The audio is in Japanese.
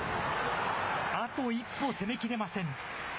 あと一歩攻めきれません。